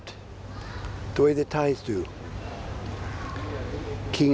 แต่ให้ชาวตายหนึ่ง